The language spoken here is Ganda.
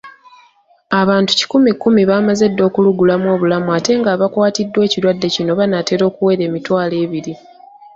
Abantu kikumi kumi baamaze dda okulugulamu obulamu ate ng'abakwatiddwa ekirwadde kino banaatera okuwera emitwalo ebiri.